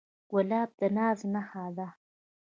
ګلاب د ناز نخښه ده.